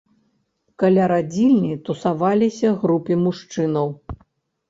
Каля радзільні тусаваліся групы мужчынаў.